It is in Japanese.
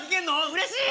うれしい！